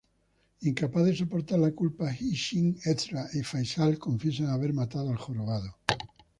Incapaz de soportar la culpa, Hi-Ching, Ezra, y Faisal confiesan haber matado al jorobado.